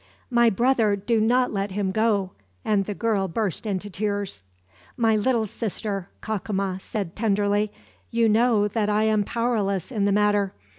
"My brother, do not let him go," and the girl burst into tears. "My little sister," Cacama said tenderly, "you know that I am powerless in the matter.